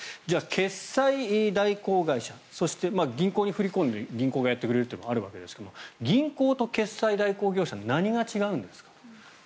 決済代行会社そして銀行に振り込んで銀行がやってくれるというのがあるわけですが銀行と決済代行業者の何が違うんですかと。